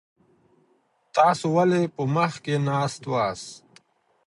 تاسي ولي په مځکي ناست سواست؟